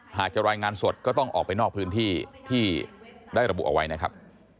หากจะรายงานสดก็ต้องออกไปนอกพื้นที่ที่ได้ระบุเอาไว้นะครับ